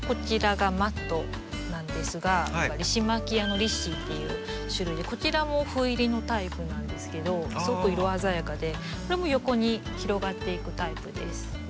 リシマキアのリッシーっていう種類でこちらもふ入りのタイプなんですけどすごく色鮮やかでこれも横に広がっていくタイプです。